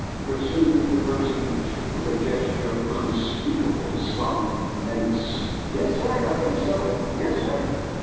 pursued the personage, with a gesture of unspeakable solemn menace. "Yes, sir. I think so. Yes, sir."